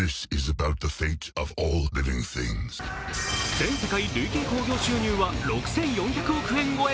全世界累計興行収入は６４００億円超え。